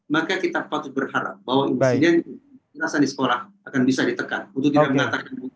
maka kita harus berharap bahwa kekerasan di sekolah akan bisa ditekan